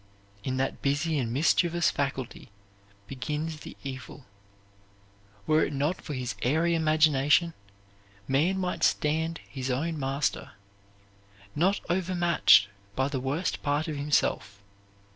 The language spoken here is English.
In that busy and mischievous faculty begins the evil. Were it not for his airy imagination, man might stand his own master, not overmatched by the worst part of himself.